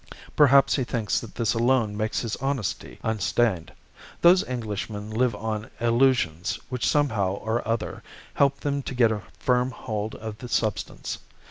Perhaps he thinks that this alone makes his honesty unstained. Those Englishmen live on illusions which somehow or other help them to get a firm hold of the substance.